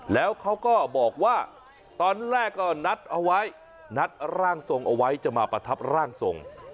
แล้วเขาก็บอกว่าตอนแรกก็นัดเอาไว้นัดร่างทรงเอาไว้จะมาประทับร่างทรง